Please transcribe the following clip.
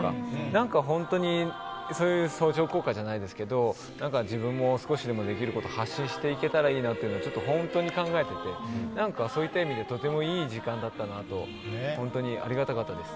何かそういう相乗効果じゃないですけど、自分も少しでもできることを発信していけたらいいなってちょっと本当に考えてて、そういった意味で、とてもいい時間だったなと、本当にありがたかったです。